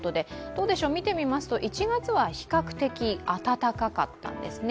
見てみますと１月は比較的暖かかったんですね。